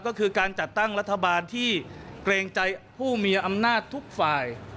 ก็คือการจัดตั้งรัฐบาลที่เกรงใจผู้มีอำนาจทุกฝ่าย